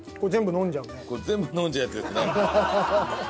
全部飲んじゃうやつですね。